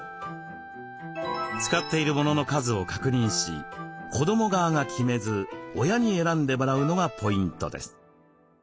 使っている物の数を確認し子ども側が決めず親に選んでもらうのがポイントです。